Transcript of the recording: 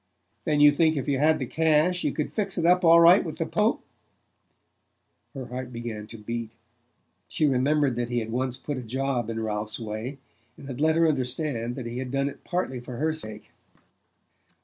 "Then you think if you had the cash you could fix it up all right with the Pope?" Her heart began to beat. She remembered that he had once put a job in Ralph's way, and had let her understand that he had done it partly for her sake.